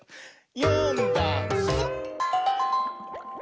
「よんだんす」